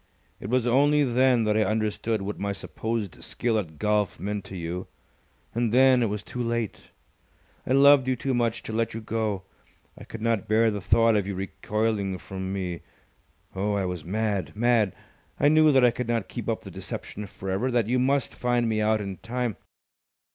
It was only then that I understood what my supposed skill at golf meant to you, and then it was too late. I loved you too much to let you go! I could not bear the thought of you recoiling from me. Oh, I was mad mad! I knew that I could not keep up the deception for ever, that you must find me out in time.